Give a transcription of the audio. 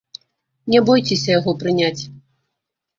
Не бойцеся яго прыняць!